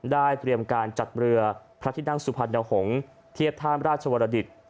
ได้เตรียมการจัดเมลือพระทินักสุพันธ์เดาหงษ์เทียบท่ามราชวรดิต